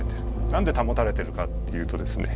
なんで保たれてるかっていうとですね